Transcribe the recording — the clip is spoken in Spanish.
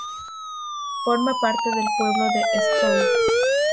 Forma parte del pueblo de Stowe.